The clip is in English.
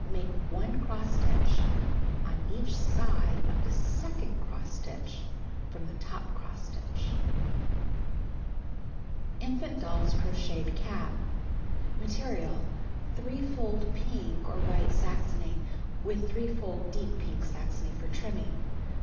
Make 1 cross stitch on each side of the second cross stitch from the top cross stitch. INFANT DOLL'S CROCHETED CAP (See picture opposite page 136) Material: Three fold pink or white Saxony, wuth three fold deep pink Saxony for trimming.